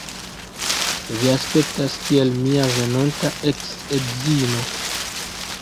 Vi aspektas kiel mia venonta eks-edzino.